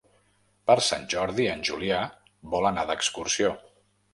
Per Sant Jordi en Julià vol anar d'excursió.